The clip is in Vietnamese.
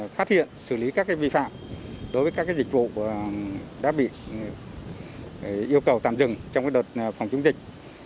phát hiện xử lý các vi phạm đối với các dịch vụ đã bị yêu cầu tạm dừng trong đợt phòng chống dịch